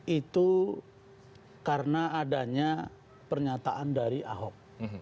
itu karena adanya pernyataan dari ahok